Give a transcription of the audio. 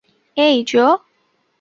এই, জো।